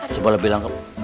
coba lebih langsung